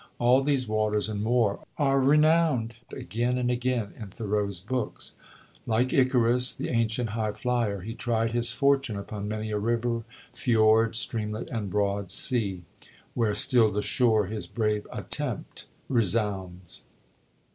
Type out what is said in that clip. All these waters and more are renowned again and again in Thoreau's books. Like Icarus, the ancient high flyer, he tried his fortune upon many a river, fiord, streamlet, and broad sea, "Where still the shore his brave attempt resounds."